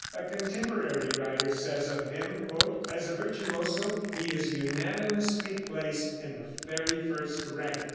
A contemporary writer says of him: "As a virtuoso he is unanimously placed in the very first rank.